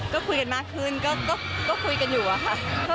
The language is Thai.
ก็คุยกันมากขึ้นก็คุยกันอยู่อะค่ะ